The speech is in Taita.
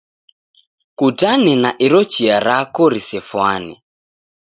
Kutane na iro chia rako risefwane.